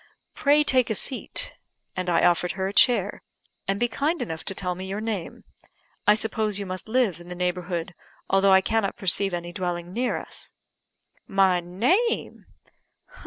"Pray take a seat," and I offered her a chair, "and be kind enough to tell me your name. I suppose you must live in the neighbourhood, although I cannot perceive any dwelling near us." "My name!